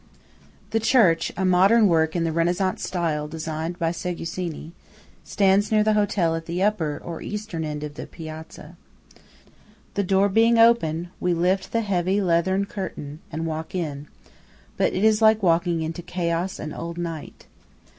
The church, a modern work in the Renaissance style designed by Segusini, stands near the hotel at the upper, or East end of the Piazza. The door being open, we lift the heavy leathern curtain, and walk in; but it is like walking into "Chaos and old night."